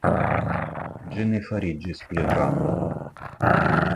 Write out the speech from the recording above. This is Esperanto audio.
Ĝi ne fariĝis pli granda.